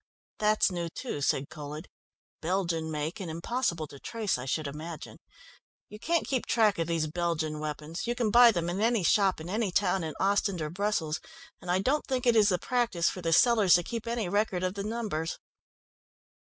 "That's new too," said Colhead. "Belgian make and impossible to trace, I should imagine. You can't keep track of these Belgian weapons. You can buy them in any shop in any town in Ostend or Brussels, and I don't think it is the practice for the sellers to keep any record of the numbers."